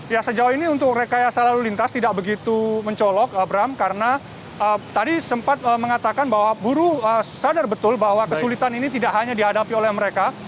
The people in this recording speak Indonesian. ya sejauh ini untuk rekayasa lalu lintas tidak begitu mencolok abram karena tadi sempat mengatakan bahwa buruh sadar betul bahwa kesulitan ini tidak hanya dihadapi oleh mereka